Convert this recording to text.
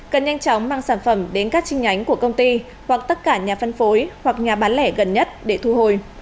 cần nhanh chóng mang sản phẩm đến các chi nhánh của công ty hoặc tất cả nhà phân phối hoặc nhà bán lẻ gần nhất để thu hồi